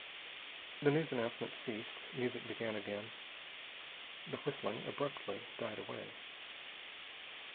The news announcement ceased. Music began again. The whistling abruptly died away.